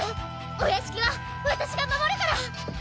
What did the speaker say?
お屋敷はわたしが守るから！